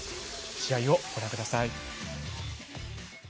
試合をご覧ください。